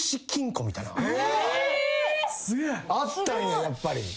あったんややっぱり。